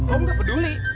om gak peduli